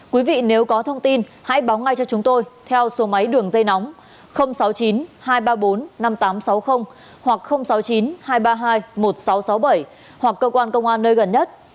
quý vị nếu có thông tin hãy báo ngay cho chúng tôi theo số máy đường dây nóng sáu mươi chín hai trăm ba mươi bốn năm nghìn tám trăm sáu mươi hoặc sáu mươi chín hai trăm ba mươi hai một nghìn sáu trăm sáu mươi bảy hoặc cơ quan công an nơi gần nhất